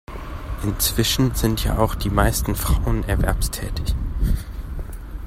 Inzwischen sind ja auch die meisten Frauen erwerbstätig.